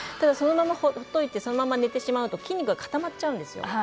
そのままほっといてそのまま寝てしまうと筋肉が固まっちゃうんですよ。